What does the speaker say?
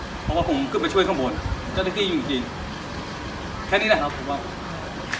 เพราะว่าผมขึ้นไปช่วยข้างบนเจ้าหน้าที่อยู่จริงจริงแค่นี้แหละครับผมว่า